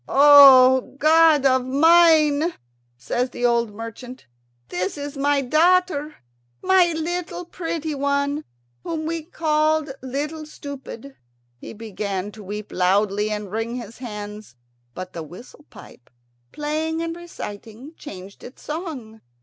"O God of mine," says the old merchant, "this is my daughter, my little pretty one, whom we called Little Stupid." He began to weep loudly and wring his hands; but the whistle pipe, playing and reciting, changed its song.